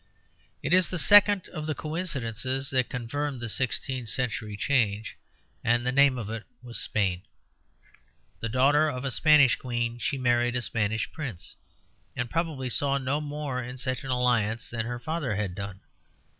It is the second of the coincidences that confirmed the sixteenth century change, and the name of it was Spain. The daughter of a Spanish queen, she married a Spanish prince, and probably saw no more in such an alliance than her father had done.